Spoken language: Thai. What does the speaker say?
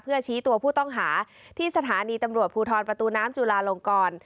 เพื่อชี้ตัวผู้ต้องหาที่สถานีตำรวจภูทรประตูน้ำจุลาลงกร